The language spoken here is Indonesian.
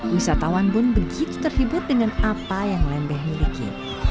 wisatawan pun begitu terhibur dengan apa yang lembeh miliki